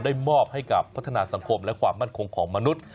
มอบให้กับพัฒนาสังคมและความมั่นคงของมนุษย์